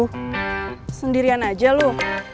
bu sendirian aja lu